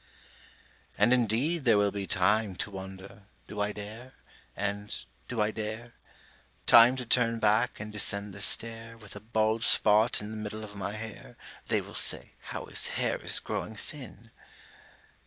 And indeed there will be time To wonder, âDo I dare?â and, âDo I dare?â Time to turn back and descend the stair, With a bald spot in the middle of my hair (They will say: âHow his hair is growing thin!